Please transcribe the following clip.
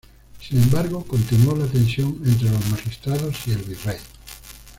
Sin embargo, continuó la tensión entre los magistrados y el virrey.